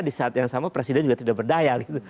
di saat yang sama presiden juga tidak berdaya gitu